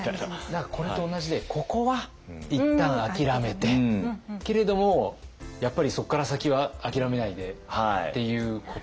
何かこれと同じでここは一旦あきらめてけれどもやっぱりそこから先はあきらめないでっていうことなんですね。